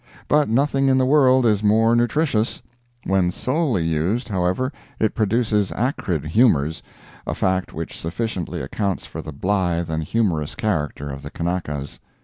But nothing in the world is more nutritious. When solely used, however, it produces acrid humors, a fact which sufficiently accounts for the blithe and humorous character of the Kanakas.